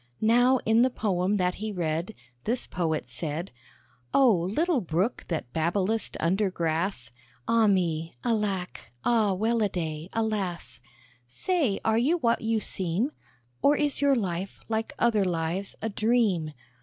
Now in the poem that he read, This Poet said "Oh! little Brook that babblest under grass! (Ah me! Alack! Ah, well a day! Alas!) Say, are you what you seem? Or is your life, like other lives, a dream?